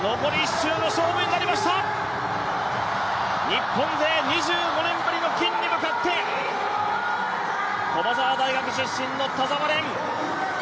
日本勢２５年ぶりの金に向かって駒澤大学出身の田澤廉。